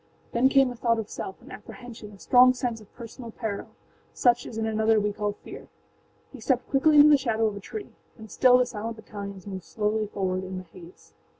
â Then came a thought of selfâan apprehensionâa strong sense of personal peril, such as in another we call fear. He stepped quickly into the shadow of a tree. And still the silent battalions moved slowly forward in the haze.